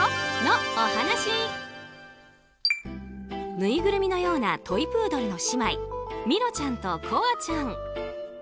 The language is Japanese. ぬいぐるみのようなトイプードルの姉妹ミロちゃんと、こあちゃん。